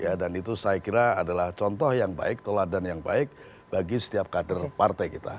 ya dan itu saya kira adalah contoh yang baik toladan yang baik bagi setiap kader partai kita